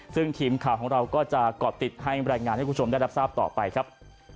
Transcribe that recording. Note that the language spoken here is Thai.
ซึ่งทีมข่าวของเราก็จะก่อติดให้รายงานให้คุณผู้ชมได้รับทราบต่อไปครับ